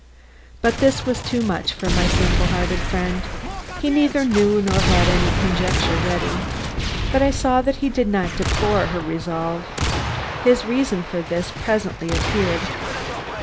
But this was too much for my simple hearted friend. He neither knew nor had any conjecture ready. But I saw that he did not deplore her resolve. His reason for this presently appeared.